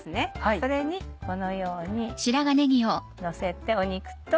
それにこのようにのせてお肉と。